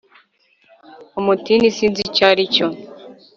umutini sinzi icyo ari cyo